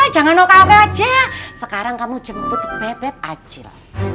jangan oke oke aja sekarang kamu jemput beb beb acil